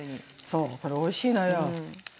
そうこれおいしいのよ。